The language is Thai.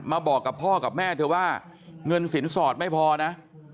บอกกับพ่อกับแม่เธอว่าเงินสินสอดไม่พอนะ